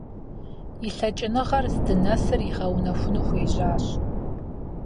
И лъэкӀыныгъэр здынэсыр игъэунэхуу хуежьащ.